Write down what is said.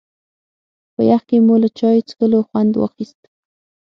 په يخ کې مو له چای څښلو خوند واخيست.